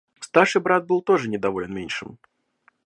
Старший брат был тоже недоволен меньшим.